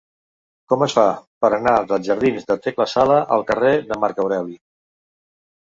Com es fa per anar dels jardins de Tecla Sala al carrer de Marc Aureli?